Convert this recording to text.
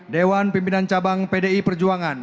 dewan pimpinan cabang pdi perjuangan